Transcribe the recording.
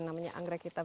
namanya anggrek hitam